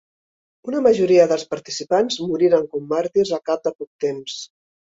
Una majoria dels participants moriren com màrtirs al cap de poc temps.